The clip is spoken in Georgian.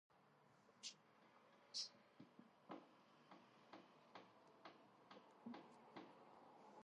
დღევანდელი მდგომარეობით წარმოადგენს საკოლექციო ჯიშს.